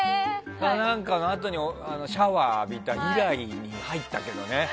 それのあとにシャワーを浴びた以来に入ったけどね。